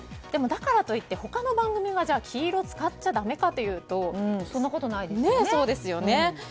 でも、だからといって他の番組が黄色を使っちゃだめかというとそんなことはないですよね。